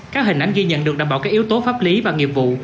các hình ảnh ghi nhận được đảm bảo các yếu tố pháp lý và nghiệp vụ